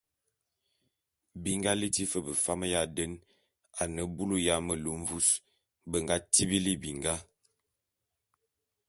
Bi nga liti fe befam ya den a ne bulu ya melu mvus be nga tibili binga.